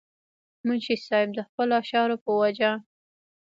منشي صېب د خپلو اشعارو پۀ وجه